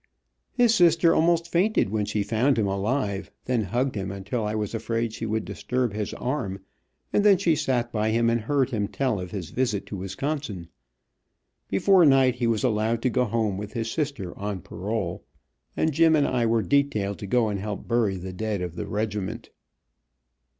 His sister almost fainted when she found him alive, then hugged him until I was afraid she would disturb his arm, and then she sat by him and heard him tell of his visit to Wisconsin. Before night he was allowed to go home with his sister on parole, and Jim and I were detailed to go and help bury the dead of the regiment.